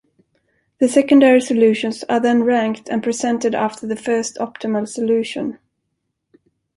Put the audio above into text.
The secondary solutions are then ranked and presented after the first optimal solution.